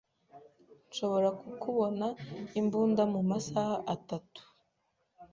Nshobora kukubona imbunda mu masaha atanu.